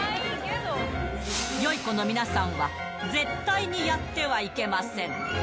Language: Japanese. よい子の皆さんは絶対にやってはいけません。